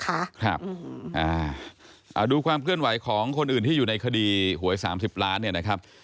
ครับดูความเคลื่อนไหวของคนอื่นที่อยู่ในคดีหวย๓๐ล้านนะครับ